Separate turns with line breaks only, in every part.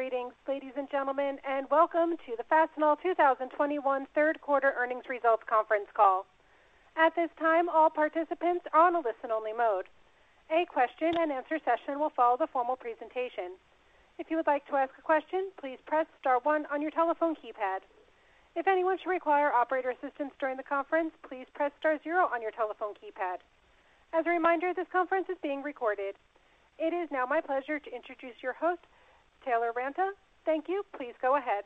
Greetings, ladies and gentlemen, and welcome to the Fastenal 2021 third quarter earnings results conference call. At this time, all participants are on a listen only mode. A question and answer session will follow the formal presentation. If you would like to ask a question, please press star one on your telephone keypad. If anyone should require operator assistance during the conference, please press star zero on your telephone keypad. As a reminder, this conference is being recorded. It is now my pleasure to introduce your host, Taylor Ranta. Thank you. Please go ahead.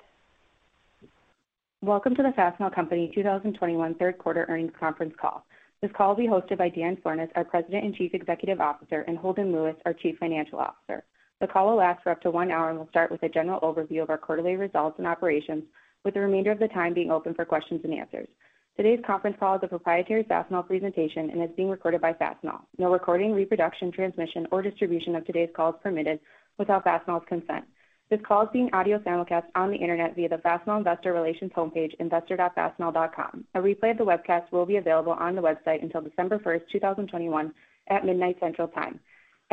Welcome to the Fastenal Company 2021 third quarter earnings conference call. This call will be hosted by Dan Florness, our President and Chief Executive Officer, and Holden Lewis, our Chief Financial Officer. The call will last for up to one hour and will start with a general overview of our quarterly results and operations, with the remainder of the time being open for questions and answers. Today's conference call is a proprietary Fastenal presentation and is being recorded by Fastenal. No recording, reproduction, transmission, or distribution of today's call is permitted without Fastenal's consent. This call is being audio simulcast on the internet via the Fastenal Investor Relations homepage, investor.fastenal.com. A replay of the webcast will be available on the website until December 1st, 2021 at midnight Central Time.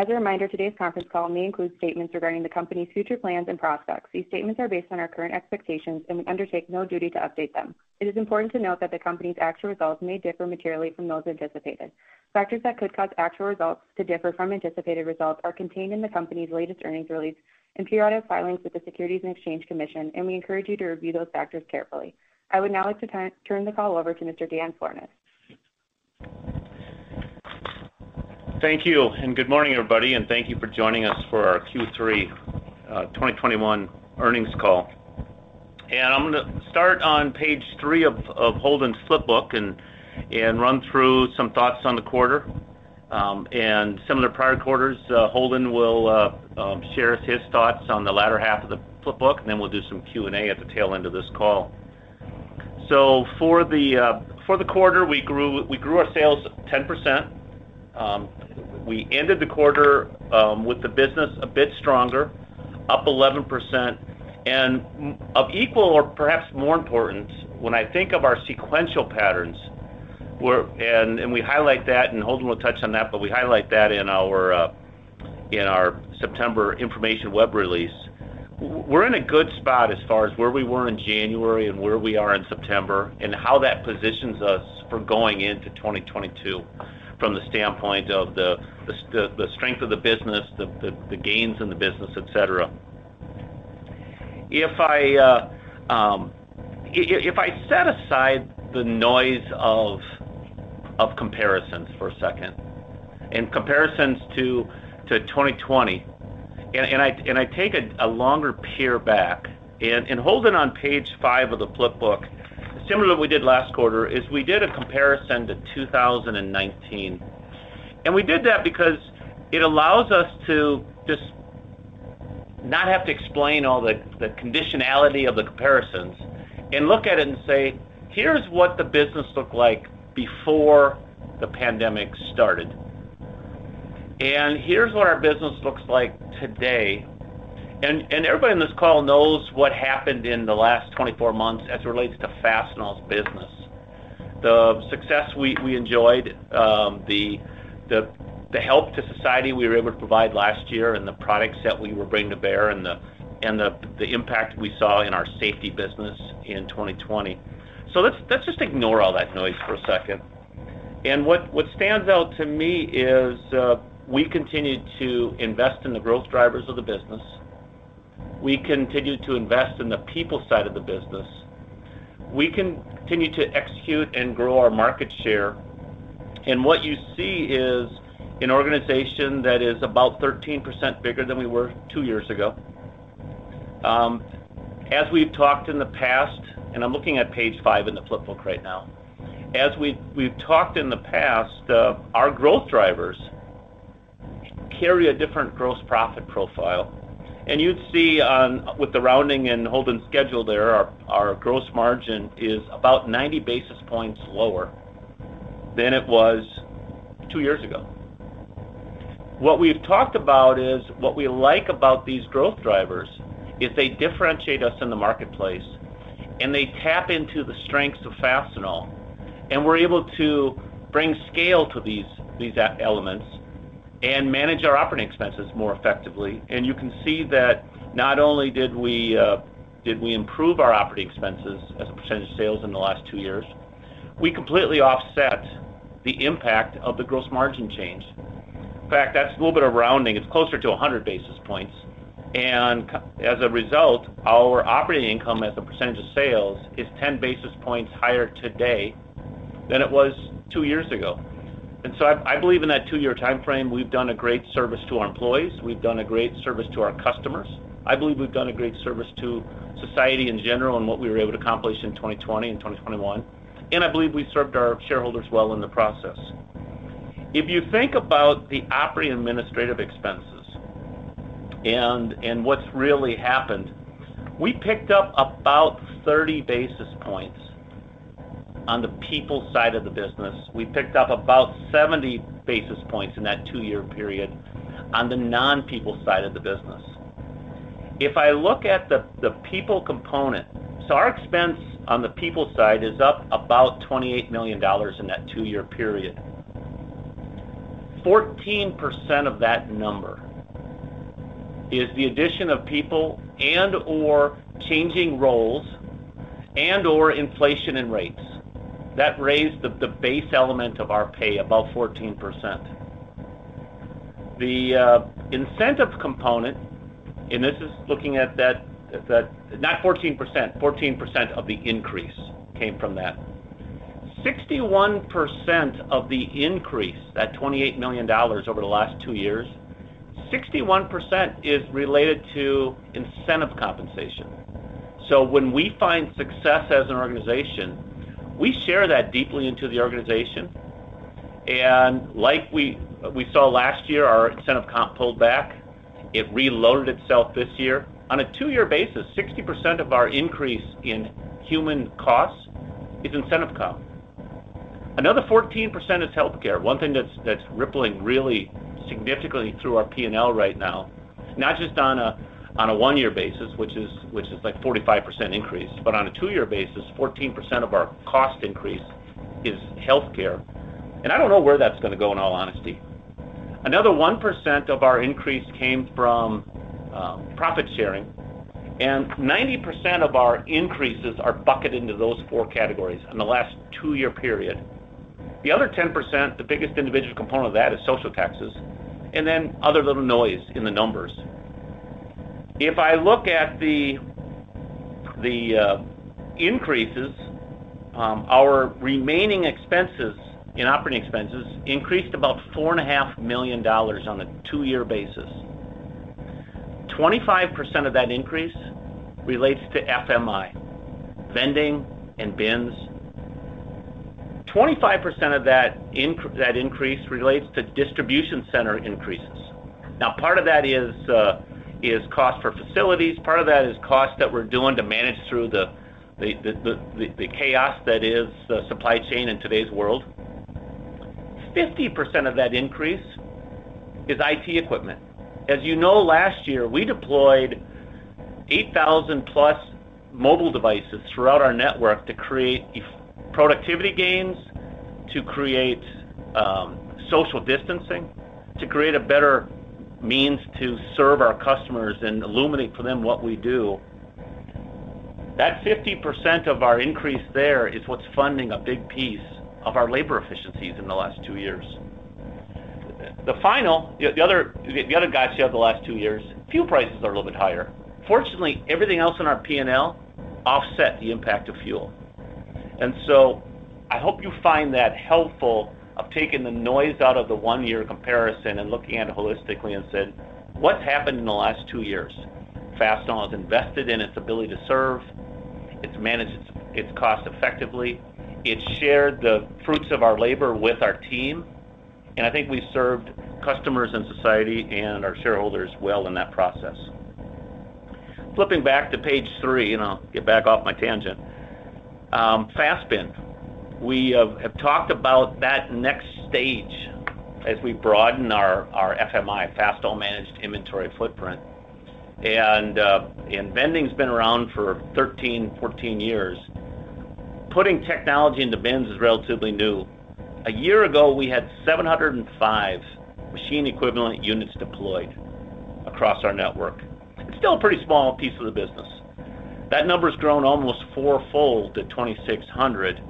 As a reminder, today's conference call may include statements regarding the company's future plans and prospects. These statements are based on our current expectations, and we undertake no duty to update them. It is important to note that the company's actual results may differ materially from those anticipated. Factors that could cause actual results to differ from anticipated results are contained in the company's latest earnings release and periodic filings with the Securities and Exchange Commission, and we encourage you to review those factors carefully. I would now like to turn the call over to Mr. Dan Florness.
Thank you, good morning, everybody, and thank you for joining us for our Q3 2021 earnings call. I'm going to start on page three of Holden's flip book and run through some thoughts on the quarter and similar prior quarters. Holden will share his thoughts on the latter half of the flip book, and then we'll do some Q&A at the tail end of this call. For the quarter, we grew our sales 10%. We ended the quarter with the business a bit stronger, up 11%. Of equal or perhaps more importance, when I think of our sequential patterns, and we highlight that, and Holden will touch on that, but we highlight that in our September information web release. We're in a good spot as far as where we were in January and where we are in September, and how that positions us for going into 2022 from the standpoint of the strength of the business, the gains in the business, et cetera. If I set aside the noise of comparisons for a second and comparisons to 2020, and I take a longer peer back. Holden on page five of the flip book, similar to what we did last quarter, is we did a comparison to 2019. We did that because it allows us to just not have to explain all the conditionality of the comparisons and look at it and say, "Here's what the business looked like before the pandemic started. Here's what our business looks like today. Everybody on this call knows what happened in the last 24 months as it relates to Fastenal's business. The success we enjoyed, the help to society we were able to provide last year and the products that we were bringing to bear and the impact we saw in our safety business in 2020. Let's just ignore all that noise for a second. What stands out to me is we continued to invest in the growth drivers of the business. We continued to invest in the people side of the business. We continued to execute and grow our market share. What you see is an organization that is about 13% bigger than we were two years ago. As we've talked in the past, and I'm looking at page five in the flip book right now. As we've talked in the past, our growth drivers carry a different gross profit profile. You'd see with the rounding and Holden's schedule there, our gross margin is about 90 basis points lower than it was two years ago. What we've talked about is what we like about these growth drivers is they differentiate us in the marketplace, and they tap into the strengths of Fastenal, and we're able to bring scale to these elements and manage our operating expenses more effectively. You can see that not only did we improve our operating expenses as a percentage of sales in the last two years, we completely offset the impact of the gross margin change. In fact, that's a little bit of rounding. It's closer to 100 basis points. As a result, our operating income as a percentage of sales is 10 basis points higher today than it was two years ago. So I believe in that two year timeframe, we've done a great service to our employees. We've done a great service to our customers. I believe we've done a great service to society in general in what we were able to accomplish in 2020 and 2021. I believe we served our shareholders well in the process. If you think about the operating administrative expenses and what's really happened, we picked up about 30 basis points on the people side of the business. We picked up about 70 basis points in that two year period on the non-people side of the business. If I look at the people component, our expense on the people side is up about $28 million in that two year period. 14% of that number is the addition of people and/or changing roles and/or inflation and rates. That raised the base element of our pay above 14%. The incentive component, and this is looking at that, not 14%, 14% of the increase came from that. 61% of the increase, that $28 million over the last two years, 61% is related to incentive compensation. When we find success as an organization, we share that deeply into the organization. Like we saw last year, our incentive comp pulled back. It reloaded itself this year. On a two year basis, 60% of our increase in human costs is incentive comp. Another 14% is healthcare. One thing that's rippling really significantly through our P&L right now, not just on a one year basis, which is like 45% increase, but on a two year basis, 14% of our cost increase is healthcare. I don't know where that's going to go, in all honesty. Another 1% of our increase came from profit sharing. 90% of our increases are bucketed into those four categories in the last two year period. The other 10%, the biggest individual component of that is social taxes and then other little noise in the numbers. If I look at the increases, our remaining expenses in operating expenses increased about $4.5 million on a two year basis. 25% of that increase relates to FMI, vending, and bins. 25% of that increase relates to distribution center increases. Part of that is cost for facilities. Part of that is cost that we're doing to manage through the chaos that is the supply chain in today's world. 50% of that increase is IT equipment. As you know, last year, we deployed 8,000+ mobile devices throughout our network to create productivity gains, to create social distancing, to create a better means to serve our customers and illuminate for them what we do. That 50% of our increase there is what's funding a big piece of our labor efficiencies in the last two years. The other guys here over the last two years, fuel prices are a little bit higher. Fortunately, everything else in our P&L offset the impact of fuel. I hope you find that helpful of taking the noise out of the one-year comparison and looking at it holistically and said, "What's happened in the last two years?" Fastenal has invested in its ability to serve, it's managed its cost effectively, it's shared the fruits of our labor with our team, and I think we've served customers and society and our shareholders well in that process. Flipping back to page three, I'll get back off my tangent. FASTBin. We have talked about that next stage as we broaden our FMI, Fastenal Managed Inventory, footprint. Vending been around for 13, 14 years. Putting technology into bins is relatively new. A year ago, we had 705 machine equivalent units deployed across our network. It's still a pretty small piece of the business. That number's grown almost fourfold to 2,600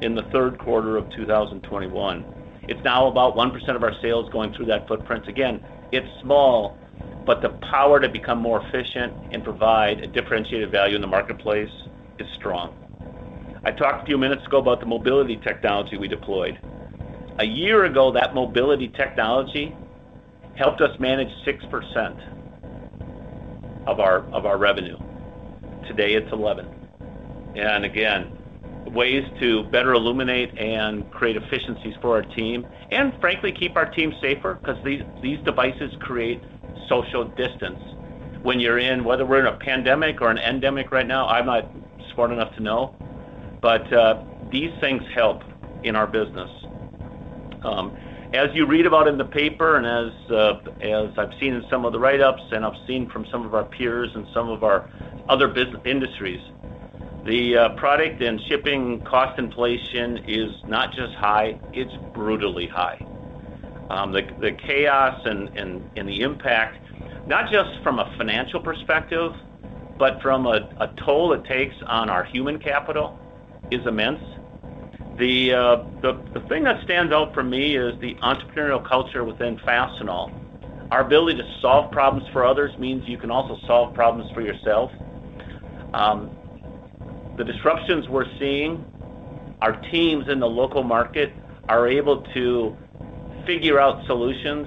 in the third quarter of 2021. It's now about 1% of our sales going through that footprint. It's small, but the power to become more efficient and provide a differentiated value in the marketplace is strong. I talked a few minutes ago about the mobility technology we deployed. A year ago, that mobility technology helped us manage 6% of our revenue. Today, it's 11. Again, ways to better illuminate and create efficiencies for our team and frankly, keep our team safer because these devices create social distance when you're in, whether we're in a pandemic or an endemic right now, I'm not smart enough to know, these things help in our business. As you read about in the paper and as I've seen in some of the write-ups and I've seen from some of our peers and some of our other industries, the product and shipping cost inflation is not just high, it's brutally high. The chaos and the impact, not just from a financial perspective, but from a toll it takes on our human capital, is immense. The thing that stands out for me is the entrepreneurial culture within Fastenal. Our ability to solve problems for others means you can also solve problems for yourself. The disruptions we're seeing, our teams in the local market are able to figure out solutions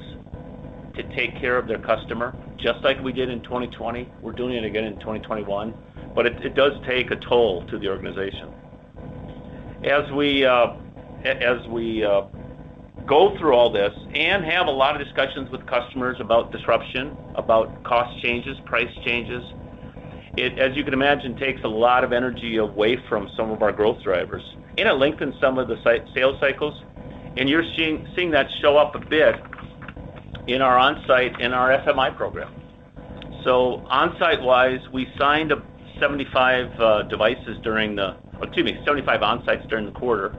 to take care of their customer, just like we did in 2020. We're doing it again in 2021, it does take a toll to the organization. As we go through all this and have a lot of discussions with customers about disruption, about cost changes, price changes, it, as you can imagine, takes a lot of energy away from some of our growth drivers and it lengthens some of the sales cycles, and you're seeing that show up a bit in our Onsite, in our FMI program. Onsite-wise, we signed 75 Onsites during the quarter.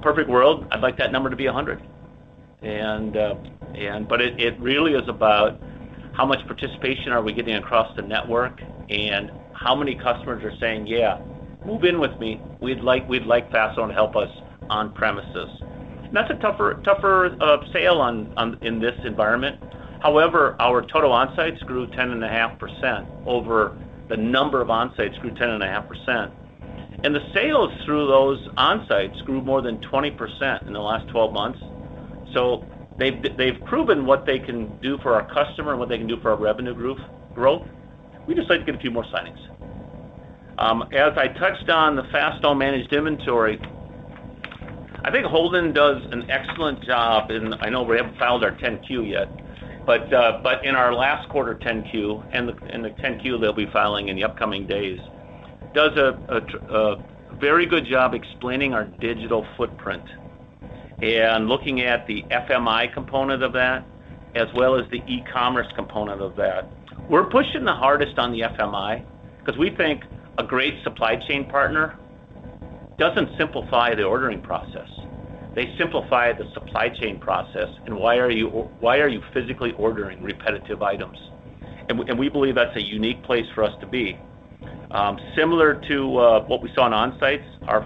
Perfect world, I'd like that number to be 100. It really is about how much participation are we getting across the network and how many customers are saying, "Yeah, move in with me. We'd like Fastenal to help us on premises." That's a tougher sale in this environment. However, our total Onsites grew 10.5% over the number of Onsites grew 10.5%. The sales through those Onsites grew more than 20% in the last 12 months. They've proven what they can do for our customer and what they can do for our revenue growth. We'd just like to get a few more signings. As I touched on the Fastenal Managed Inventory, I think Holden does an excellent job, and I know we haven't filed our 10Q yet, but in our last quarter 10Q, and the 10Q they'll be filing in the upcoming days, does a very good job explaining our digital footprint and looking at the FMI component of that, as well as the e-commerce component of that. We're pushing the hardest on the FMI because we think a great supply chain partner doesn't simplify the ordering process. They simplify the supply chain process, and why are you physically ordering repetitive items? We believe that's a unique place for us to be. Similar to what we saw in Onsite, our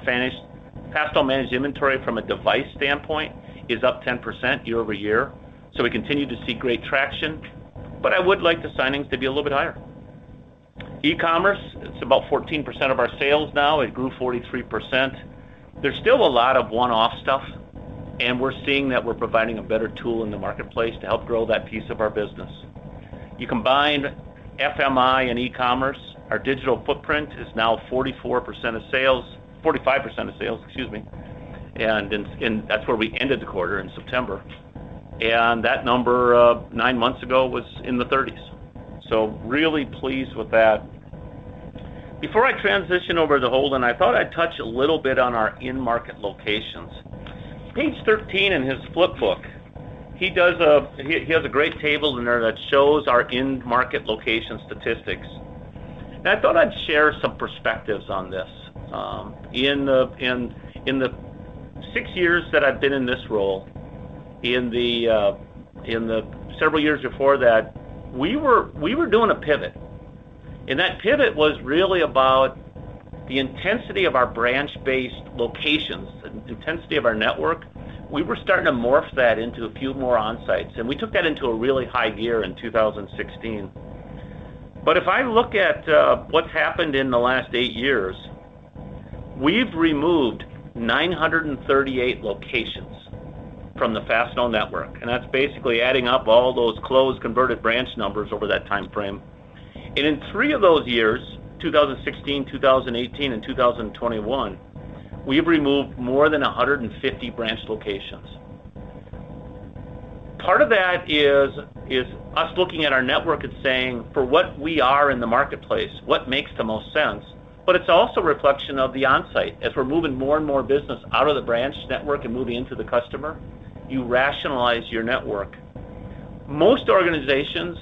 Fastenal Managed Inventory from a device standpoint is up 10% year-over-year. We continue to see great traction, but I would like the signings to be a little bit higher. E-commerce, it's about 14% of our sales now. It grew 43%. There's still a lot of one-off stuff, and we're seeing that we're providing a better tool in the marketplace to help grow that piece of our business. You combine FMI and e-commerce, our digital footprint is now 45% of sales, and that's where we ended the quarter in September. That number, nine months ago, was in the 30s. Really pleased with that. Before I transition over to Holden, I thought I'd touch a little bit on our in-market locations. Page 13 in his flip book, he has a great table in there that shows our in-market location statistics. I thought I'd share some perspectives on this. In the six years that I've been in this role, in the several years before that, we were doing a pivot, and that pivot was really about the intensity of our branch-based locations, the intensity of our network. We were starting to morph that into a few more Onsite, and we took that into a really high gear in 2016. If I look at what's happened in the last eight years, we've removed 938 locations from the Fastenal network, and that's basically adding up all those closed, converted branch numbers over that timeframe. In three of those years, 2016, 2018, and 2021, we've removed more than 150 branch locations. Part of that is us looking at our network and saying, for what we are in the marketplace, what makes the most sense? It's also a reflection of the Onsite. As we're moving more and more business out of the branch network and moving into the customer, you rationalize your network. Most organizations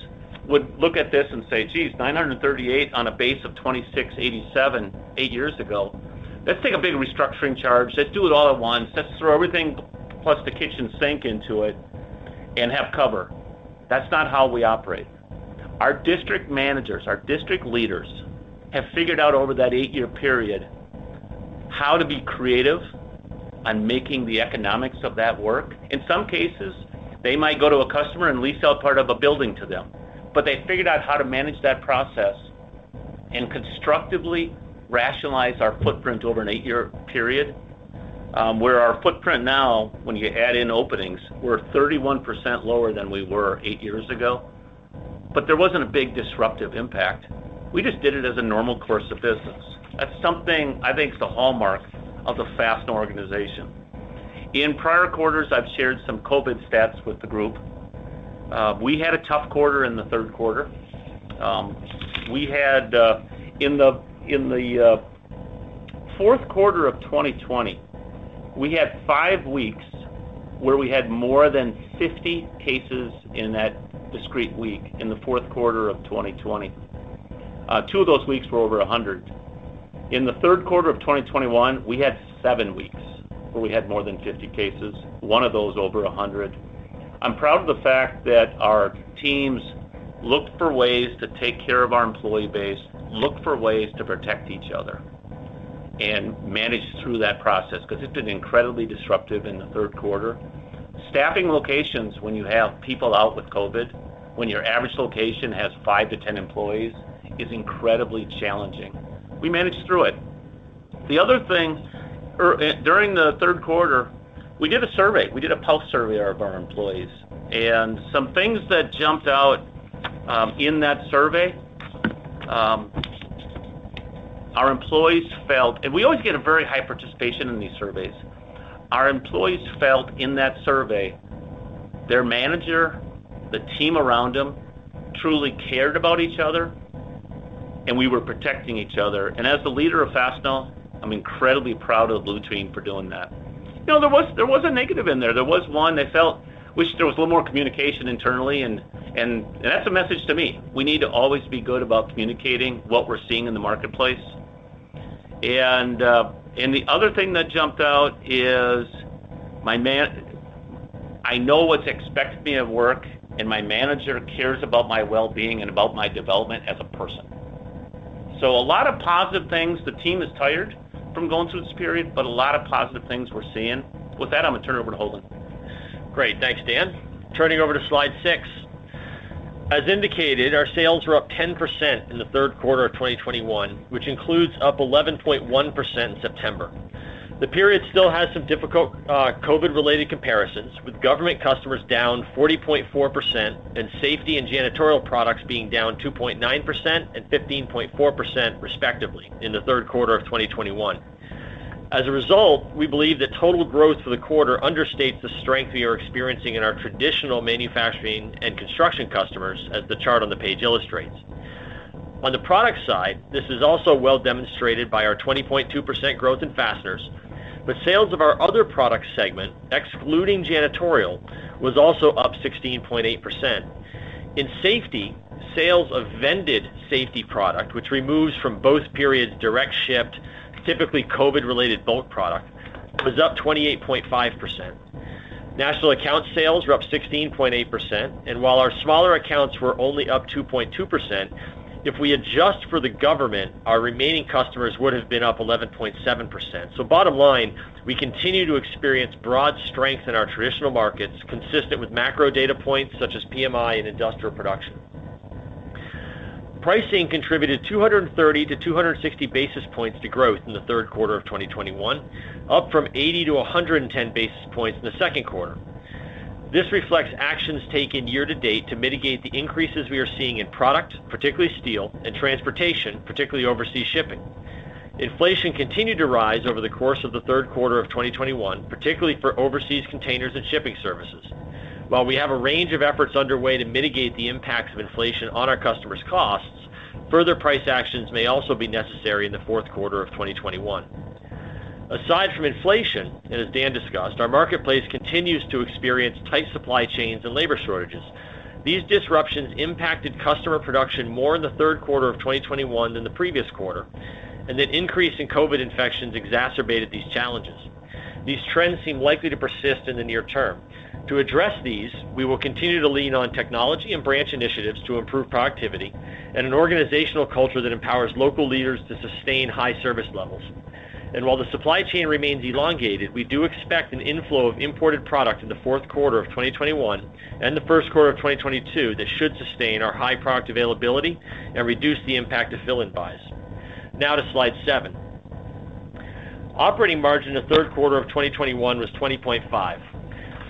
would look at this and say, "Geez, 938 on a base of 2,687 eight years ago. Let's take a big restructuring charge. Let's do it all at once. Let's throw everything plus the kitchen sink into it and have cover." That's not how we operate. Our district managers, our district leaders, have figured out over that eight-year period how to be creative on making the economics of that work. In some cases, they might go to a customer and lease out part of a building to them. They figured out how to manage that process and constructively rationalize our footprint over an eight-year period, where our footprint now, when you add in openings, we're 31% lower than we were eight years ago, but there wasn't a big disruptive impact. We just did it as a normal course of business. That's something I think is the hallmark of the Fastenal organization. In prior quarters, I've shared some COVID stats with the group. We had a tough quarter in the third quarter. In the fourth quarter of 2020, we had five weeks where we had more than 50 cases in that discrete week in the fourth quarter of 2020. Two of those weeks were over 100. In the third quarter of 2021, we had seven weeks where we had more than 50 cases, one of those over 100. I'm proud of the fact that our teams looked for ways to take care of our employee base, looked for ways to protect each other, and managed through that process, because it's been incredibly disruptive in the third quarter. Staffing locations when you have people out with COVID, when your average location has five to 10 employees, is incredibly challenging. We managed through it. The other thing, during the third quarter, we did a survey. We did a pulse survey of our employees, and some things that jumped out in that survey. We always get a very high participation in these surveys. Our employees felt in that survey, their manager, the team around them, truly cared about each other. We were protecting each other. As the leader of Fastenal, I'm incredibly proud of the blue team for doing that. There was a negative in there. There was one that felt, wish there was a little more communication internally, and that's a message to me. We need to always be good about communicating what we're seeing in the marketplace. The other thing that jumped out is, I know what's expected of me at work, and my manager cares about my wellbeing and about my development as a person. A lot of positive things. The team is tired from going through this period, but a lot of positive things we're seeing. With that, I'm going to turn it over to Holden.
Great. Thanks, Dan. Turning over to slide six. As indicated, our sales were up 10% in the third quarter of 2021, which includes up 11.1% in September. The period still has some difficult COVID-related comparisons, with government customers down 40.4% and safety and janitorial products being down 2.9% and 15.4%, respectively, in the third quarter of 2021. We believe that total growth for the quarter understates the strength we are experiencing in our traditional manufacturing and construction customers, as the chart on the page illustrates. On the product side, this is also well demonstrated by our 20.2% growth in fasteners, but sales of our other product segment, excluding janitorial, was also up 16.8%. In safety, sales of vended safety product, which removes from both periods direct shipped, typically COVID-related bulk product, was up 28.5%. National account sales were up 16.8%, and while our smaller accounts were only up 2.2%, if we adjust for the government, our remaining customers would have been up 11.7%. Bottom line, we continue to experience broad strength in our traditional markets, consistent with macro data points such as PMI and industrial production. Pricing contributed 230-260 basis points to growth in Q3 2021, up from 80-110 basis points in the second quarter. This reflects actions taken year to date to mitigate the increases we are seeing in product, particularly steel, and transportation, particularly overseas shipping. Inflation continued to rise over the course of Q3 2021, particularly for overseas containers and shipping services. While we have a range of efforts underway to mitigate the impacts of inflation on our customers' costs, further price actions may also be necessary in the fourth quarter of 2021. Aside from inflation, as Dan discussed, our marketplace continues to experience tight supply chains and labor shortages. These disruptions impacted customer production more in the third quarter of 2021 than the previous quarter, and an increase in COVID infections exacerbated these challenges. These trends seem likely to persist in the near term. To address these, we will continue to lean on technology and branch initiatives to improve productivity and an organizational culture that empowers local leaders to sustain high service levels. While the supply chain remains elongated, we do expect an inflow of imported product in the fourth quarter of 2021 and the first quarter of 2022 that should sustain our high product availability and reduce the impact of fill-in buys. Now to slide 7. Operating margin in the third quarter of 2021 was 20.5%,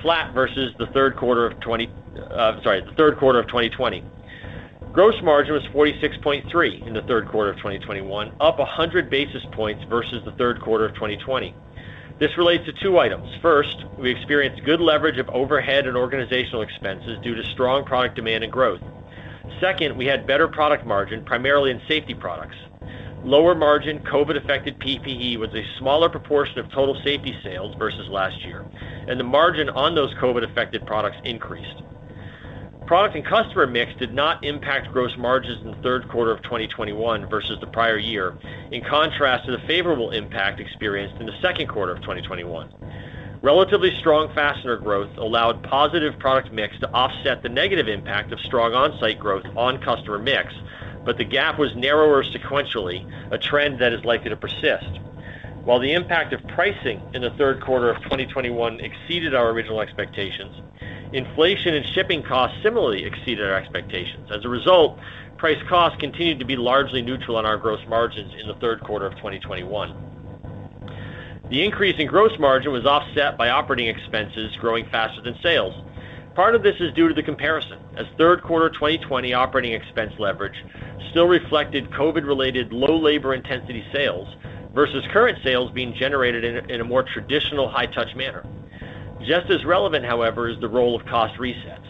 flat versus the third quarter of 2020. Gross margin was 46.3% in the third quarter of 2021, up 100 basis points versus the third quarter of 2020. This relates to two items. First, we experienced good leverage of overhead and organizational expenses due to strong product demand and growth. Second, we had better product margin, primarily in safety products. Lower margin COVID-affected PPE was a smaller proportion of total safety sales versus last year, and the margin on those COVID-affected products increased. Product and customer mix did not impact gross margins in the third quarter of 2021 versus the prior year, in contrast to the favorable impact experienced in the second quarter of 2021. Relatively strong fastener growth allowed positive product mix to offset the negative impact of strong Onsite growth on customer mix, but the gap was narrower sequentially, a trend that is likely to persist. While the impact of pricing in the third quarter of 2021 exceeded our original expectations, inflation and shipping costs similarly exceeded our expectations. As a result, price cost continued to be largely neutral on our gross margins in the third quarter of 2021. The increase in gross margin was offset by operating expenses growing faster than sales. Part of this is due to the comparison, as third quarter 2020 operating expense leverage still reflected COVID-related low labor intensity sales versus current sales being generated in a more traditional high-touch manner. Just as relevant, however, is the role of cost resets.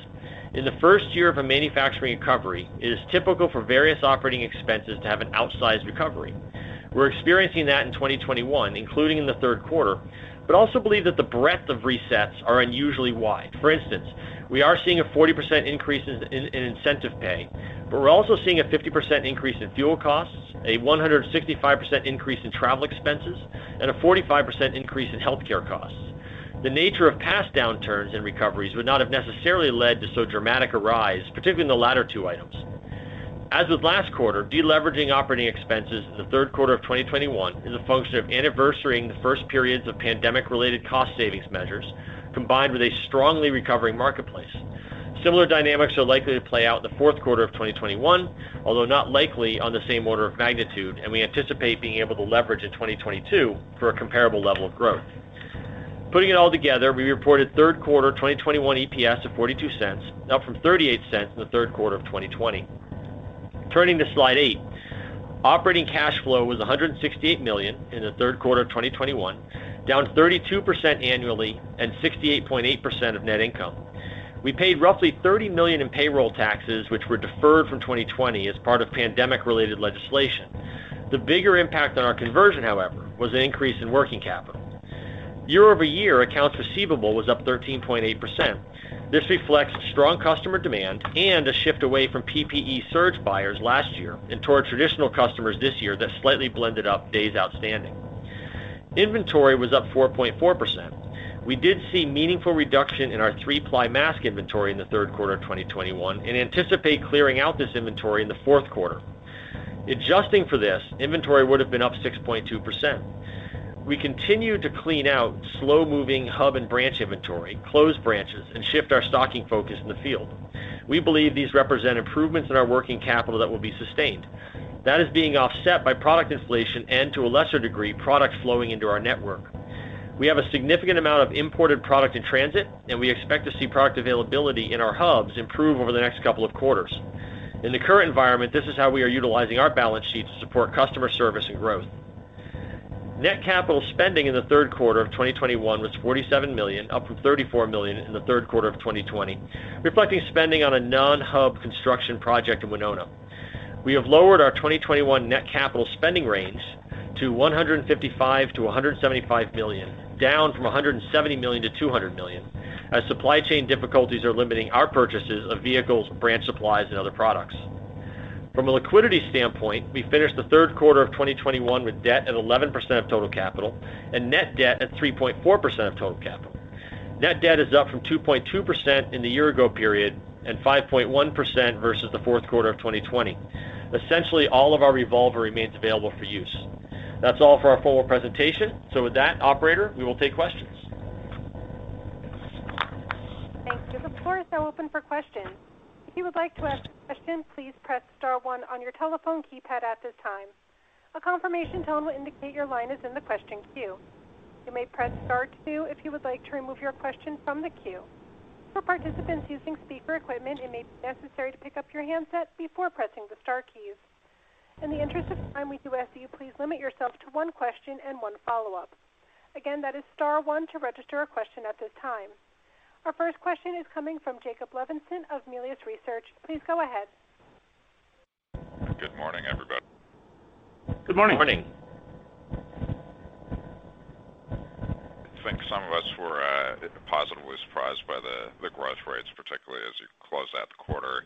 In the first year of a manufacturing recovery, it is typical for various operating expenses to have an outsized recovery. We're experiencing that in 2021, including in the third quarter, but also believe that the breadth of resets are unusually wide. For instance, we are seeing a 40% increase in incentive pay, but we're also seeing a 50% increase in fuel costs, a 165% increase in travel expenses, and a 45% increase in healthcare costs. The nature of past downturns and recoveries would not have necessarily led to so dramatic a rise, particularly in the latter two items. As with last quarter, de-leveraging operating expenses in the third quarter of 2021 is a function of anniversarying the first periods of pandemic-related cost savings measures, combined with a strongly recovering marketplace. Similar dynamics are likely to play out in the fourth quarter of 2021, although not likely on the same order of magnitude, and we anticipate being able to leverage in 2022 for a comparable level of growth. Putting it all together, we reported third quarter 2021 EPS of $0.42, up from $0.38 in the third quarter of 2020. Turning to slide eight. Operating cash flow was $168 million in the third quarter of 2021, down 32% annually and 68.8% of net income. We paid roughly $30 million in payroll taxes, which were deferred from 2020 as part of pandemic-related legislation. The bigger impact on our conversion, however, was an increase in working capital. Year-over-year accounts receivable was up 13.8%. This reflects strong customer demand and a shift away from PPE surge buyers last year and towards traditional customers this year that slightly blended up days outstanding. Inventory was up 4.4%. We did see meaningful reduction in our three-ply mask inventory in the third quarter of 2021, and anticipate clearing out this inventory in the fourth quarter. Adjusting for this, inventory would have been up 6.2%. We continued to clean out slow-moving hub and branch inventory, close branches, and shift our stocking focus in the field. We believe these represent improvements in our working capital that will be sustained. That is being offset by product inflation and, to a lesser degree, product flowing into our network. We have a significant amount of imported product in transit, and we expect to see product availability in our hubs improve over the next couple of quarters. In the current environment, this is how we are utilizing our balance sheet to support customer service and growth. Net capital spending in the third quarter of 2021 was $47 million, up from $34 million in the third quarter of 2020, reflecting spending on a non-hub construction project in Winona. We have lowered our 2021 net capital spending range to $155 million-$175 million, down from $170 million-$200 million, as supply chain difficulties are limiting our purchases of vehicles, branch supplies, and other products. From a liquidity standpoint, we finished the third quarter of 2021 with debt at 11% of total capital and net debt at 3.4% of total capital. Net debt is up from 2.2% in the year ago period and 5.1% versus the fourth quarter of 2020. Essentially, all of our revolver remains available for use. That's all for our formal presentation. With that, operator, we will take questions.
Thank you. The floor is now open for questions. If you would like to ask a question, please press star one on your telephone keypad at this time. A confirmation tone will indicate your line is in the question queue. You may press star two if you would like to remove your question from the queue. For participants using speaker equipment, it may be necessary to pick up your handset before pressing the star keys. In the interest of time, we do ask that you please limit yourself to one question and one follow-up. Again, that is star one to register a question at this time. Our first question is coming from Jake Levinson of Melius Research. Please go ahead.
Good morning, everybody.
Good morning.
Good morning.
I think some of us were positively surprised by the growth rates, particularly as you closed out the quarter.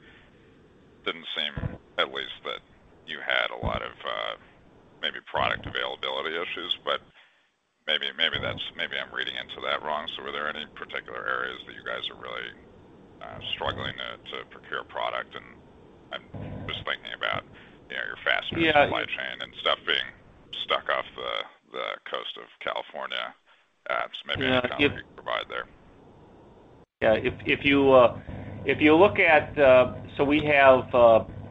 Didn't seem, at least, that you had a lot of maybe product availability issues, but maybe I'm reading into that wrong. Were there any particular areas that you guys are really struggling to procure product? I'm just thinking about your Fastenal supply chain and stuff being stuck off the coast of California. Maybe a comment you can provide there.
We have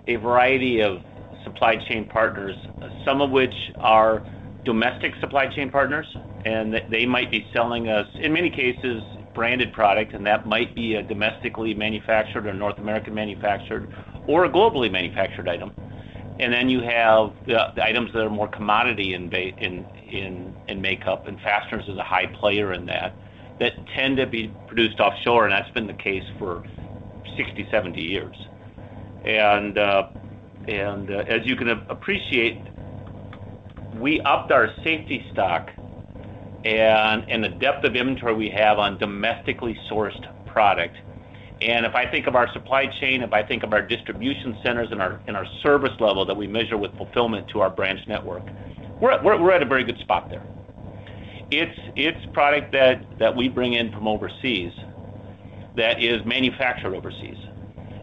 a variety of supply chain partners, some of which are domestic supply chain partners, and they might be selling us, in many cases, branded product, and that might be a domestically manufactured or North American manufactured or a globally manufactured item. You have the items that are more commodity in makeup, and fasteners is a high player in that tend to be produced offshore, and that's been the case for 60, 70 years. As you can appreciate, we upped our safety stock and the depth of inventory we have on domestically sourced product. If I think of our supply chain, if I think of our distribution centers and our service level that we measure with fulfillment to our branch network, we're at a very good spot there. It's product that we bring in from overseas that is manufactured overseas.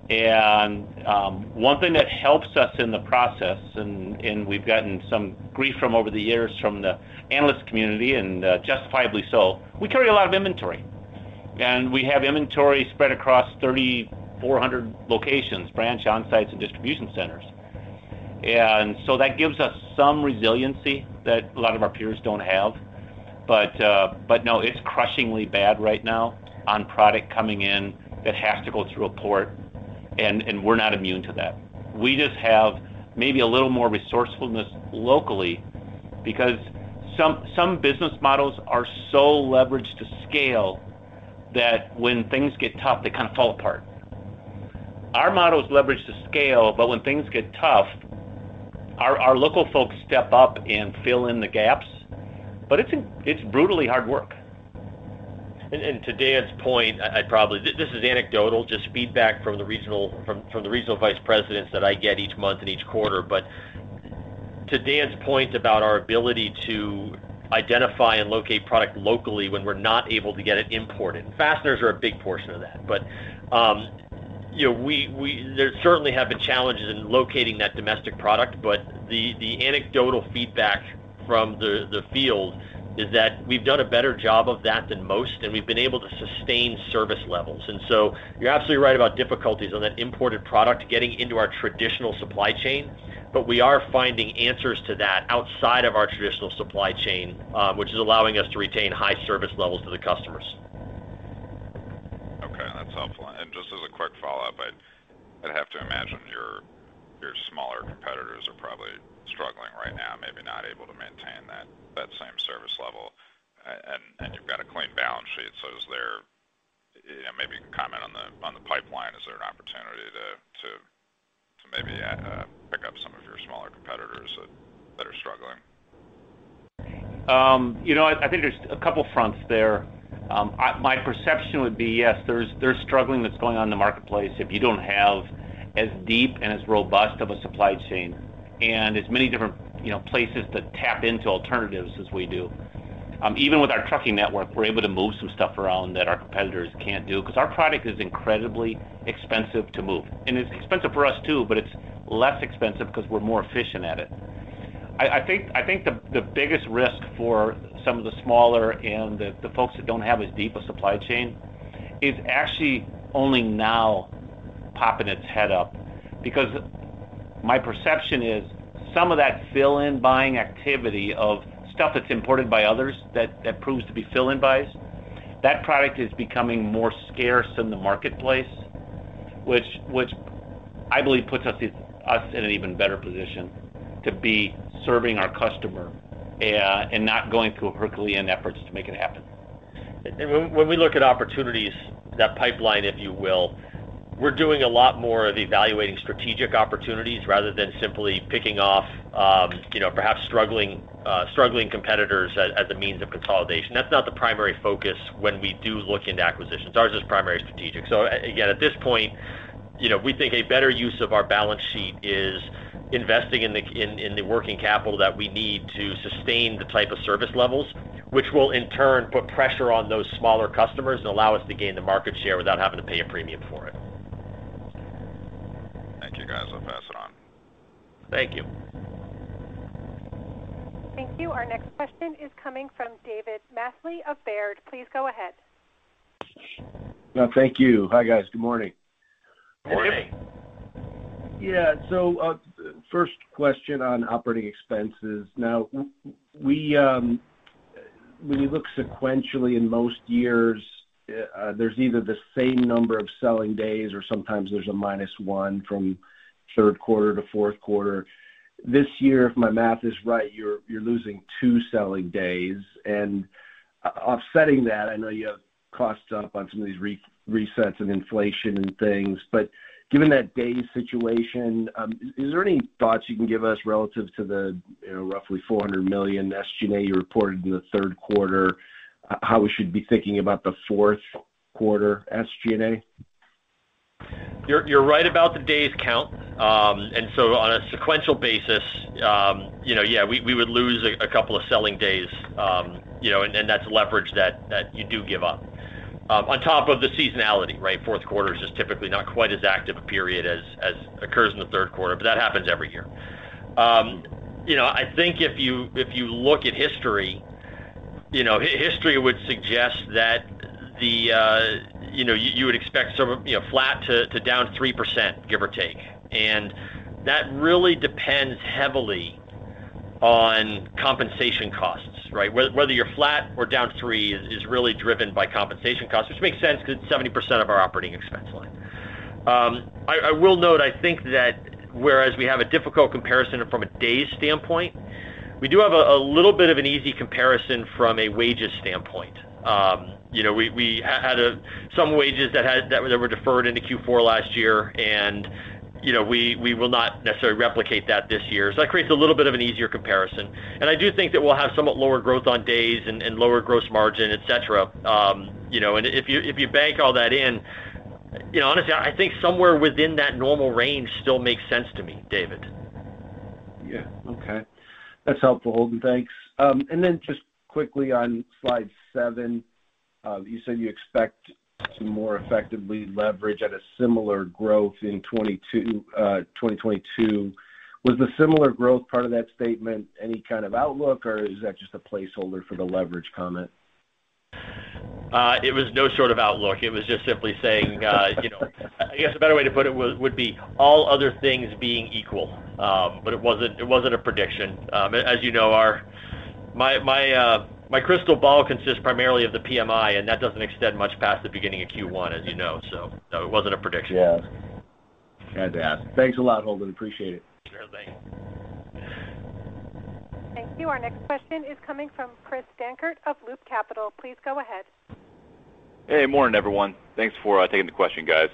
One thing that helps us in the process, and we've gotten some grief from over the years from the analyst community, and justifiably so, we carry a lot of inventory. We have inventory spread across 3,400 locations, branch on-sites and distribution centers. That gives us some resiliency that a lot of our peers don't have. No, it's crushingly bad right now on product coming in that has to go through a port, and we're not immune to that. We just have maybe a little more resourcefulness locally because some business models are so leveraged to scale that when things get tough, they kind of fall apart. Our model is leveraged to scale, but when things get tough, our local folks step up and fill in the gaps. It's brutally hard work.
To Dan's point, this is anecdotal, just feedback from the regional vice presidents that I get each month and each quarter. To Dan's point about our ability to identify and locate product locally when we're not able to get it imported, fasteners are a big portion of that. There certainly have been challenges in locating that domestic product. The anecdotal feedback from the field is that we've done a better job of that than most, and we've been able to sustain service levels. You're absolutely right about difficulties on that imported product getting into our traditional supply chain. We are finding answers to that outside of our traditional supply chain, which is allowing us to retain high service levels to the customers.
Okay. That's helpful. Follow-up. I'd have to imagine your smaller competitors are probably struggling right now, maybe not able to maintain that same service level. You've got a clean balance sheet. Maybe you can comment on the pipeline. Is there an opportunity to maybe pick up some of your smaller competitors that are struggling?
I think there's a couple fronts there. My perception would be, yes, there's struggling that's going on in the marketplace if you don't have as deep and as robust of a supply chain and as many different places to tap into alternatives as we do. Even with our trucking network, we're able to move some stuff around that our competitors can't do because our product is incredibly expensive to move. It's expensive for us too, but it's less expensive because we're more efficient at it. I think the biggest risk for some of the smaller and the folks that don't have as deep a supply chain is actually only now popping its head up. Because my perception is some of that fill-in buying activity of stuff that's imported by others that proves to be fill-in buys, that product is becoming more scarce in the marketplace, which I believe puts us in an even better position to be serving our customer and not going to Herculean efforts to make it happen. When we look at opportunities, that pipeline, if you will, we're doing a lot more of evaluating strategic opportunities rather than simply picking off perhaps struggling competitors as a means of consolidation. That's not the primary focus when we do look into acquisitions. Ours is primary strategic. Again, at this point, we think a better use of our balance sheet is investing in the working capital that we need to sustain the type of service levels, which will in turn put pressure on those smaller customers and allow us to gain the market share without having to pay a premium for it.
Thank you, guys. I'll pass it on.
Thank you.
Thank you. Our next question is coming from David Manthey of Baird. Please go ahead.
Thank you. Hi, guys. Good morning.
Morning.
First question on operating expenses. We look sequentially in most years, there's either the same number of selling days or sometimes there's a minus one from third quarter to fourth quarter. This year, if my math is right, you're losing two selling days, and offsetting that, I know you have costs up on some of these resets and inflation and things. Given that days situation, is there any thoughts you can give us relative to the roughly $400 million SG&A you reported in the third quarter, how we should be thinking about the fourth quarter SG&A?
You're right about the days count. On a sequential basis, yeah, we would lose a couple selling days. That's leverage that you do give up. On top of the seasonality, right? Fourth quarter is just typically not quite as active a period as occurs in the third quarter, but that happens every year. I think if you look at history would suggest that you would expect sort of flat to down 3%, give or take. That really depends heavily on compensation costs, right? Whether you're flat or down three is really driven by compensation costs, which makes sense because it's 70% of our operating expense line. I will note, I think that whereas we have a difficult comparison from a days standpoint, we do have a little bit of an easy comparison from a wages standpoint. We had some wages that were deferred into Q4 last year, and we will not necessarily replicate that this year. That creates a little bit of an easier comparison. I do think that we'll have somewhat lower growth on days and lower gross margin, et cetera. If you bank all that in, honestly, I think somewhere within that normal range still makes sense to me, David.
Yeah. Okay. That's helpful, Holden. Thanks. Then just quickly on slide seven, you said you expect to more effectively leverage at a similar growth in 2022. Was the similar growth part of that statement any kind of outlook, or is that just a placeholder for the leverage comment?
It was no sort of outlook. I guess a better way to put it would be all other things being equal, but it wasn't a prediction. As you know, my crystal ball consists primarily of the PMI, and that doesn't extend much past the beginning of Q1, as you know. No, it wasn't a prediction.
Yeah. Had to ask. Thanks a lot, Holden. Appreciate it.
Sure thing.
Thank you. Our next question is coming from Christopher Dankert of Loop Capital. Please go ahead.
Hey, morning, everyone. Thanks for taking the question, guys.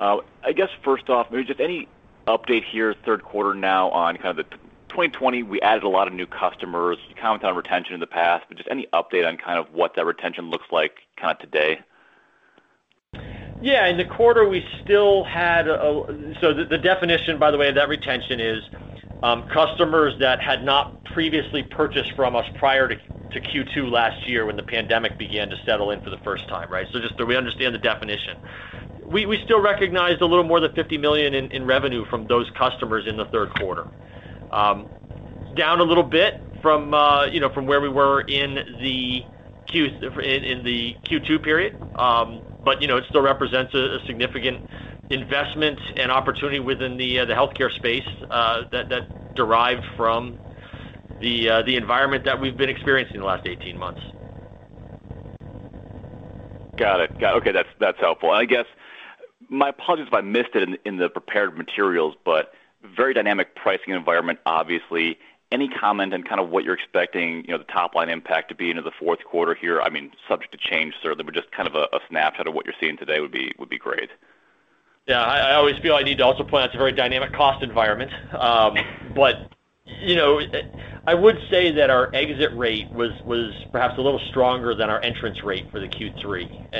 I guess first off, maybe just any update here, third quarter now? On kind of the 2020, we added a lot of new customers. You commented on retention in the past. Just any update on kind of what that retention looks like kind of today?
Yeah. In the quarter, we still had the definition, by the way, of that retention is customers that had not previously purchased from us prior to Q2 last year when the pandemic began to settle in for the first time, right? Just so we understand the definition. We still recognized a little more than $50 million in revenue from those customers in the third quarter. Down a little bit from where we were in the Q2 period. It still represents a significant investment and opportunity within the healthcare space that derived from the environment that we've been experiencing the last 18 months.
Got it. Okay, that's helpful. I guess my apologies if I missed it in the prepared materials, very dynamic pricing environment, obviously. Any comment on what you're expecting the top-line impact to be into the fourth quarter here? I mean, subject to change, certainly, just a snapshot of what you're seeing today would be great.
Yeah, I always feel I need to also point out it's a very dynamic cost environment. I would say that our exit rate was perhaps a little stronger than our entrance rate for the Q3.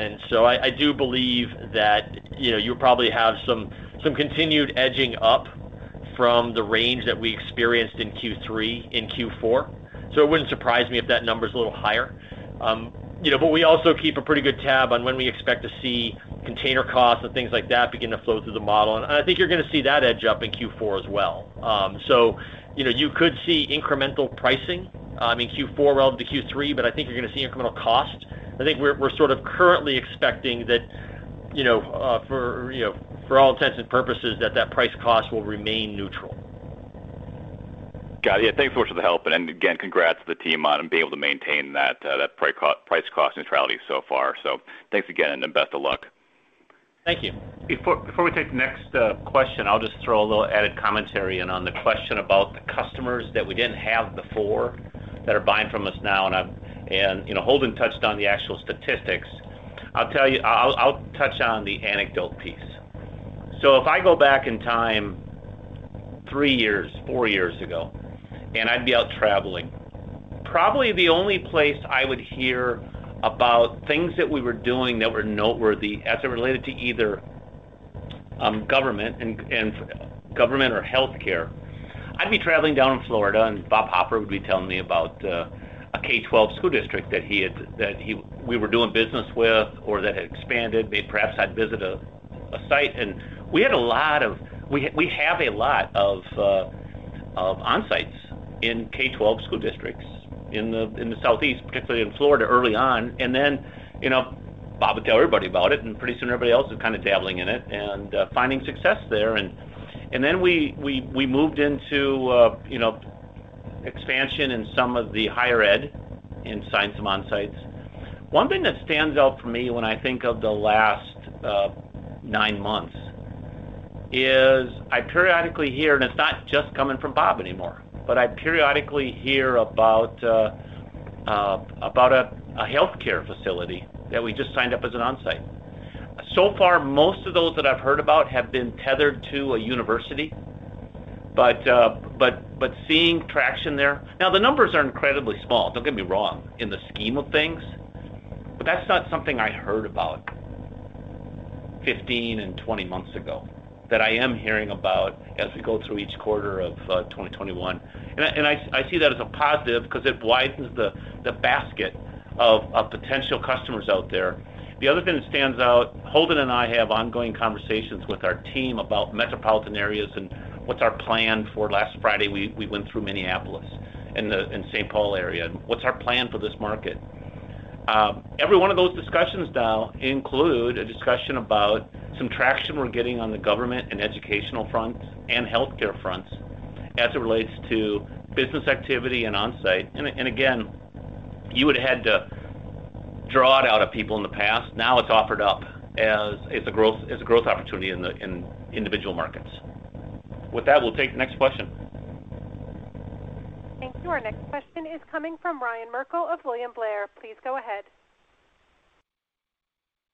I do believe that you'll probably have some continued edging up from the range that we experienced in Q3 in Q4. It wouldn't surprise me if that number's a little higher. We also keep a pretty good tab on when we expect to see container costs and things like that begin to flow through the model, and I think you're going to see that edge up in Q4 as well. You could see incremental pricing, in Q4 relative to Q3, but I think you're going to see incremental cost. I think we're currently expecting that for all intents and purposes that that price cost will remain neutral.
Got it. Yeah, thanks so much for the help, and again, congrats to the team on being able to maintain that price cost neutrality so far. Thanks again, and best of luck.
Thank you.
Before we take the next question, I'll just throw a little added commentary in on the question about the customers that we didn't have before that are buying from us now. Holden touched on the actual statistics. I'll touch on the anecdote piece. If I go back in time three years, four years ago, and I'd be out traveling, probably the only place I would hear about things that we were doing that were noteworthy as it related to either government or healthcare, I'd be traveling down in Florida, and Bob Hopper would be telling me about a K12 school district that we were doing business with or that had expanded. Maybe perhaps I'd visit a site. We have a lot of Onsites in K12 school districts in the Southeast, particularly in Florida early on. Then Bob would tell everybody about it, and pretty soon everybody else is dabbling in it and finding success there. Then we moved into expansion in some of the higher ed and signed some Onsites. One thing that stands out for me when I think of the last nine months is I periodically hear, and it's not just coming from Bob anymore, but I periodically hear about a healthcare facility that we just signed up as an Onsite. So far, most of those that I've heard about have been tethered to a university. Seeing traction there. Now, the numbers are incredibly small, don't get me wrong, in the scheme of things. That's not something I heard about 15 and 20 months ago, that I am hearing about as we go through each quarter of 2021. I see that as a positive because it widens the basket of potential customers out there. The other thing that stands out, Holden and I have ongoing conversations with our team about metropolitan areas and what's our plan for last Friday, we went through Minneapolis and St. Paul area, and what's our plan for this market? Every one of those discussions now include a discussion about some traction we're getting on the government and educational fronts and healthcare fronts as it relates to business activity and Onsite. Again, you would've had to draw it out of people in the past. Now it's offered up as a growth opportunity in individual markets. With that, we'll take the next question.
Thank you. Our next question is coming from Ryan Merkel of William Blair. Please go ahead.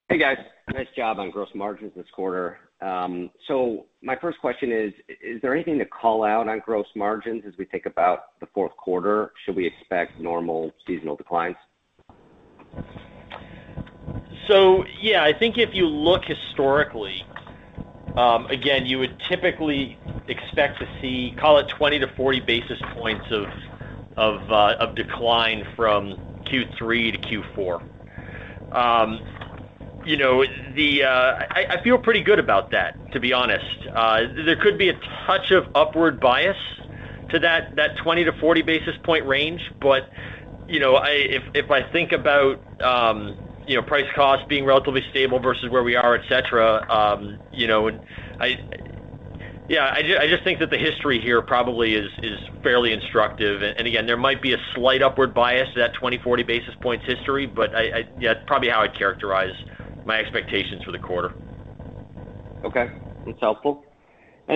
Hey, guys. Nice job on gross margins this quarter. My first question is there anything to call out on gross margins as we think about the fourth quarter? Should we expect normal seasonal declines?
Yeah, I think if you look historically, again, you would typically expect to see, call it 20-40 basis points of decline from Q3 to Q4. I feel pretty good about that, to be honest. There could be a touch of upward bias to that 20-40 basis point range. If I think about price cost being relatively stable versus where we are, et cetera, I just think that the history here probably is fairly instructive. Again, there might be a slight upward bias to that 20-40 basis points history, but that's probably how I'd characterize my expectations for the quarter.
Okay. That's helpful. I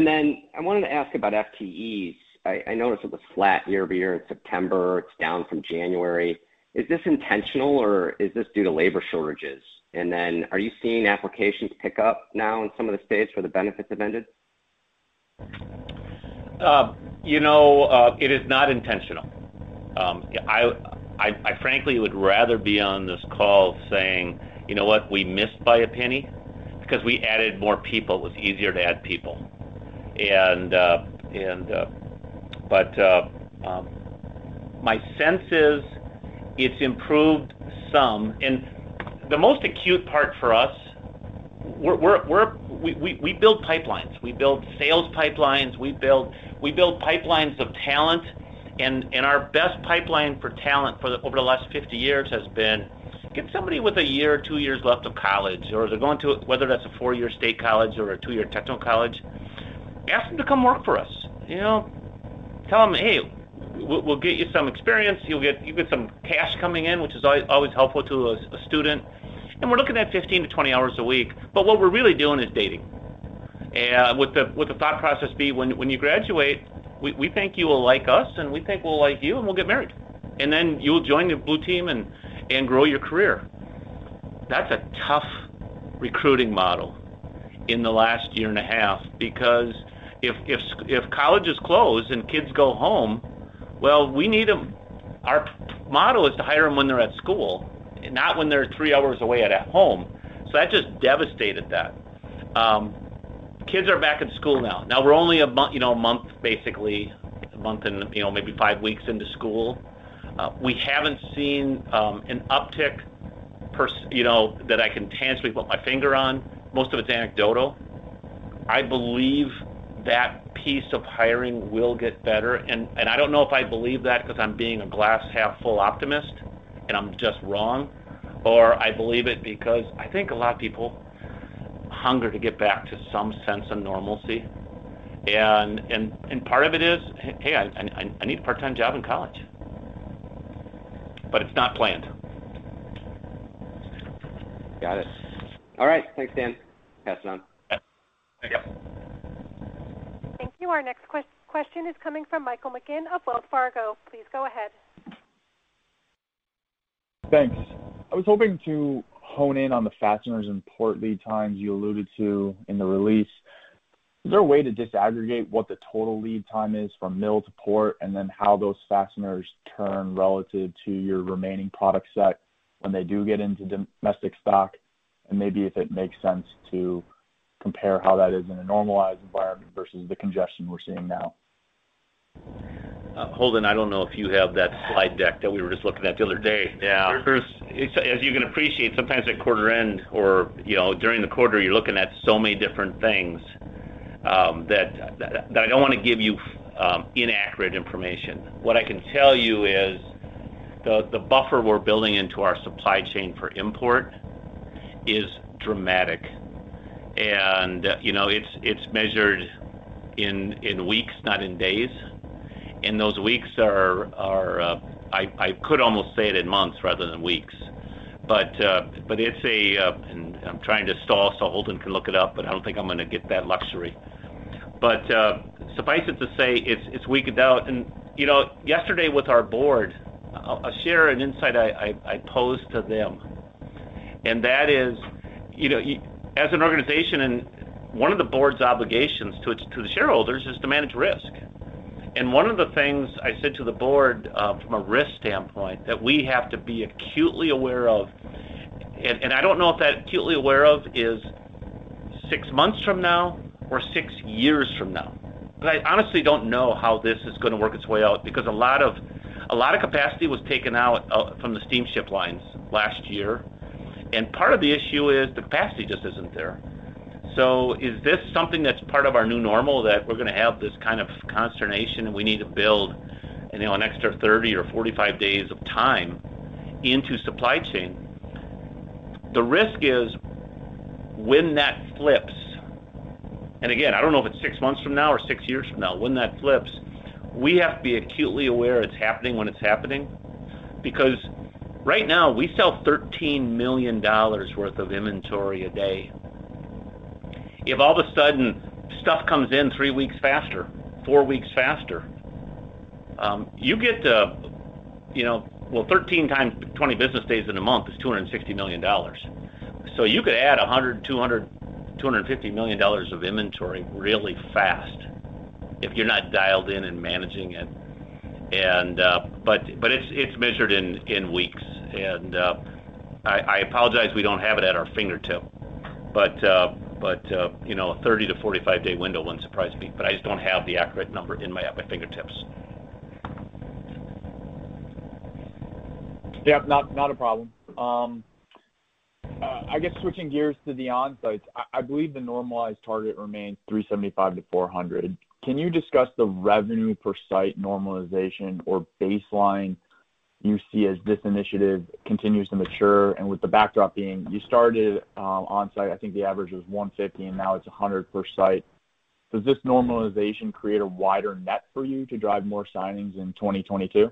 wanted to ask about FTEs. I noticed it was flat year-over-year in September. It's down from January. Is this intentional, or is this due to labor shortages? Are you seeing applications pick up now in some of the states where the benefits have ended?
It is not intentional. I frankly would rather be on this call saying, "You know what. We missed by $0.01 because we added more people." It was easier to add people. My sense is it's improved some. The most acute part for us, we build pipelines. We build sales pipelines. We build pipelines of talent, and our best pipeline for talent over the last 50 years has been get somebody with one year or two years left of college, whether that's a four year state college or a two year technical college. Ask them to come work for us. Tell them, "Hey, we'll get you some experience. You'll get some cash coming in," which is always helpful to a student. We're looking at 15-20 hours a week, but what we're really doing is dating. With the thought process being when you graduate, we think you will like us, and we think we'll like you, and we'll get married. Then you'll join the blue team and grow your career. That's a tough recruiting model in the last year and a half, because if colleges close and kids go home, well, our model is to hire them when they're at school, not when they're three hours away at home. That just devastated that. Kids are back in school now. We're only a month, basically, a month and maybe five weeks into school. We haven't seen an uptick that I can tangibly put my finger on. Most of it's anecdotal. I believe that piece of hiring will get better, and I don't know if I believe that because I'm being a glass half full optimist and I'm just wrong, or I believe it because I think a lot of people hunger to get back to some sense of normalcy. Part of it is, "Hey, I need a part-time job in college." It's not planned.
Got it. All right. Thanks, Dan. Pass it on.
Yep. Thank you.
Thank you. Our next question is coming from Michael McGinn of Wells Fargo. Please go ahead.
Thanks. I was hoping to hone in on the fasteners and port lead times you alluded to in the release. Is there a way to disaggregate what the total lead time is from mill to port, and then how those fasteners turn relative to your remaining product set when they do get into domestic stock? Maybe if it makes sense to compare how that is in a normalized environment versus the congestion we're seeing now.
Holden, I don't know if you have that slide deck that we were just looking at the other day.
Yeah.
As you can appreciate, sometimes at quarter end or during the quarter, you're looking at so many different things that I don't want to give you inaccurate information. What I can tell you is the buffer we're building into our supply chain for import is dramatic. It's measured in weeks, not in days, and those weeks are, I could almost say it in months rather than weeks. I'm trying to stall so Holden can look it up, but I don't think I'm going to get that luxury. Suffice it to say, it's weeks out. Yesterday with our board, I'll share an insight I posed to them, and that is, as an organization and one of the board's obligations to the shareholders, is to manage risk. One of the things I said to the board, from a risk standpoint, that we have to be acutely aware of, and I don't know if that acutely aware of is six months from now or six years from now. I honestly don't know how this is going to work its way out, because a lot of capacity was taken out from the steamship lines last year. Part of the issue is capacity just isn't there. Is this something that's part of our new normal, that we're going to have this kind of consternation, and we need to build an extra 30 or 45 days of time into supply chain? The risk is when that flips, again, I don't know if it's six months from now or six years from now, when that flips, we have to be acutely aware it's happening when it's happening. Right now, we sell $13 million worth of inventory a day. If all of a sudden stuff comes in three weeks faster, four weeks faster, well, 13 times 20 business days in a month is $260 million. You could add $100, $200, $250 million of inventory really fast if you're not dialed in and managing it. It's measured in weeks. I apologize we don't have it at our fingertip. A 30-45-day window wouldn't surprise me, but I just don't have the accurate number at my fingertips.
Yep, not a problem. I guess switching gears to the Onsites, I believe the normalized target remains 375-400. Can you discuss the revenue per site normalization or baseline you see as this initiative continues to mature, and with the backdrop being you started Onsite, I think the average was $150, and now it's $100 per site. Does this normalization create a wider net for you to drive more signings in 2022?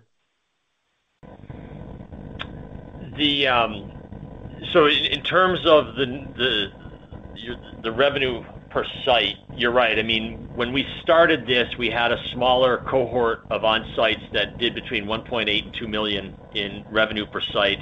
In terms of the revenue per site, you're right. When we started this, we had a smaller cohort of Onsites that did between $1.8 million and $2 million in revenue per site.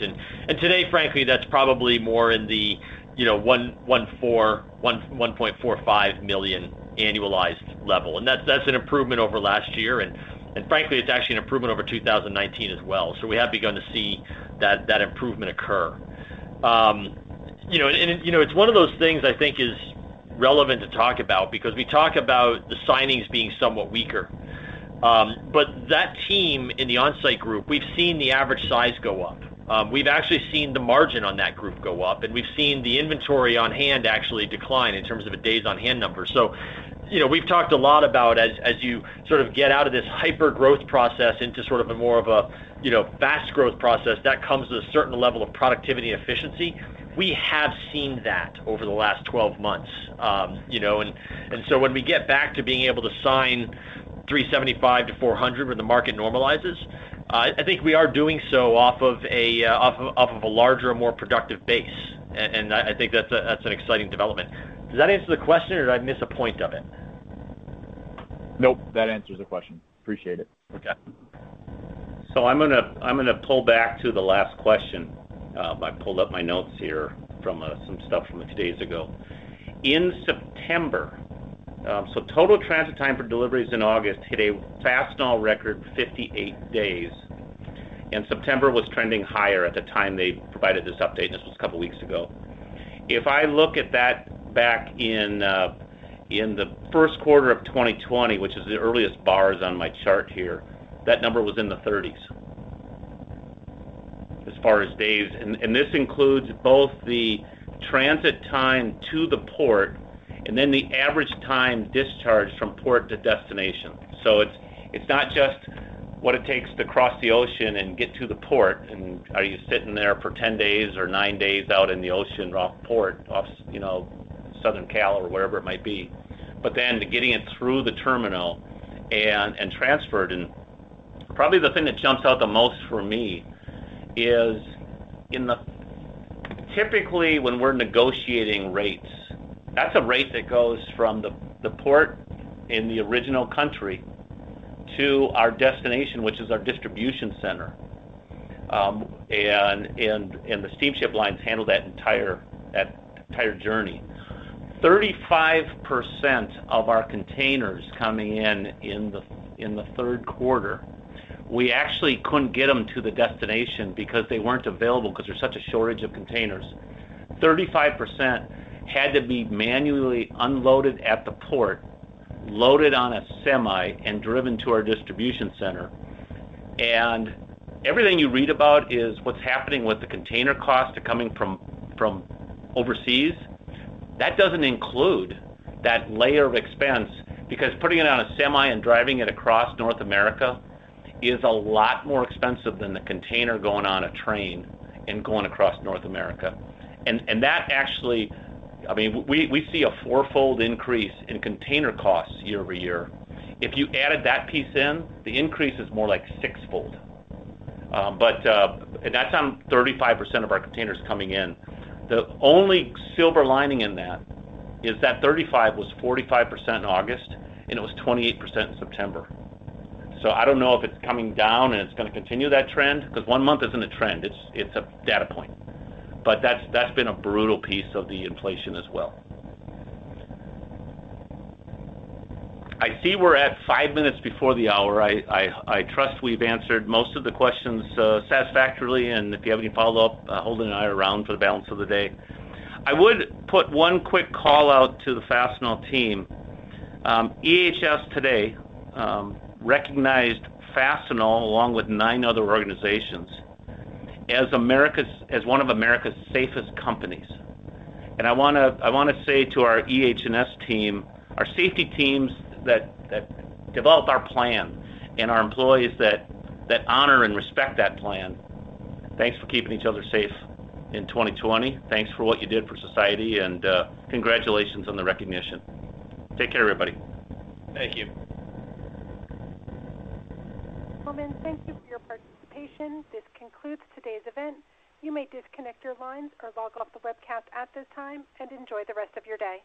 Today, frankly, that's probably more in the $1.45 million annualized level. That's an improvement over last year, and frankly, it's actually an improvement over 2019 as well. We have begun to see that improvement occur. It's one of those things I think is relevant to talk about, because we talk about the signings being somewhat weaker. That team in the Onsite group, we've seen the average size go up. We've actually seen the margin on that group go up, and we've seen the inventory on hand actually decline in terms of a days on hand number. We've talked a lot about as you sort of get out of this hyper-growth process into sort of a more of a fast growth process, that comes with a certain level of productivity and efficiency. We have seen that over the last 12 months. When we get back to being able to sign 375 to 400 when the market normalizes. I think we are doing so off of a larger and more productive base. I think that's an exciting development. Does that answer the question or did I miss a point of it?
Nope. That answers the question. Appreciate it.
Okay.
I'm going to pull back to the last question. I pulled up my notes here from some stuff from a few days ago. In September, total transit time for deliveries in August hit a Fastenal record 58 days, and September was trending higher at the time they provided this update, and this was a couple of weeks ago. If I look at that back in the first quarter of 2020, which is the earliest bars on my chart here, that number was in the 30s as far as days. This includes both the transit time to the port and then the average time discharged from port to destination. It's not just what it takes to cross the ocean and get to the port and are you sitting there for 10 days or nine days out in the ocean off port, off Southern Cal or wherever it might be, but then to getting it through the terminal and transferred. Probably the thing that jumps out the most for me is typically when we're negotiating rates, that's a rate that goes from the port in the original country to our destination, which is our distribution center. The steamship lines handle that entire journey. 35% of our containers coming in in the third quarter, we actually couldn't get them to the destination because they weren't available because there's such a shortage of containers. 35% had to be manually unloaded at the port, loaded on a semi, and driven to our distribution center. Everything you read about is what's happening with the container costs coming from overseas. That doesn't include that layer of expense because putting it on a semi and driving it across North America is a lot more expensive than the container going on a train and going across North America. We see a fourfold increase in container costs year-over-year. If you added that piece in, the increase is more like sixfold. That's on 35% of our containers coming in. The only silver lining in that is that 35% was 45% in August, and it was 28% in September. I don't know if it's coming down and it's going to continue that trend because one month isn't a trend. It's a data point. That's been a brutal piece of the inflation as well. I see we're at five minutes before the hour. I trust we've answered most of the questions satisfactorily, and if you have any follow-up, Holden and I are around for the balance of the day. I would put one quick call out to the Fastenal team. EHS Today recognized Fastenal, along with nine other organizations, as one of America's Safest Companies. I want to say to our EH&S team, our safety teams that develop our plan and our employees that honor and respect that plan, thanks for keeping each other safe in 2020. Thanks for what you did for society, and congratulations on the recognition. Take care, everybody.
Thank you.
Gentlemen, thank you for your participation. This concludes today's event. You may disconnect your lines or log off the webcast at this time, and enjoy the rest of your day.